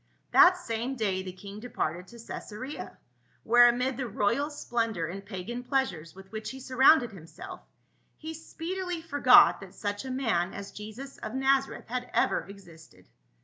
That same day the king departed to Caesarea, where, amid the royal splendor and pagan pleasures with which he surrounded himself, he speedily forgot that such a man as Jesus of Nazareth had ever existed.